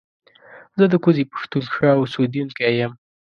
زه د کوزې پښتونخوا اوسېدونکی يم